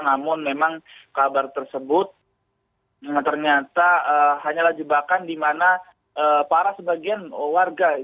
namun memang kabar tersebut ternyata hanyalah jebakan di mana para sebagian warga